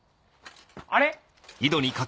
あれ？